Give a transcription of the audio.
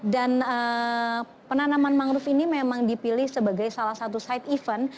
dan penanaman mangrove ini memang dipilih sebagai salah satu side event